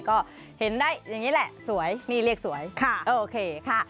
ก็เห็นได้อย่างนี้แหละสวยนี่เรียกสวยค่ะโอเคค่ะ